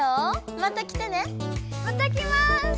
また来ます！